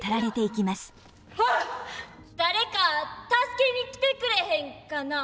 誰か助けに来てくれへんかな。